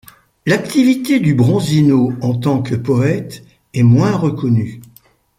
L'activité du Bronzino en tant que poète est moins reconnue.